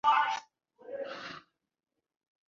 ndashaka gusinzira igihe gito